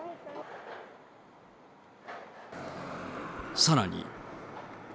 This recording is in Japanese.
さらに。